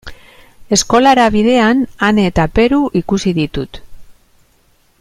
Eskolara bidean Ane eta Peru ikusi ditut.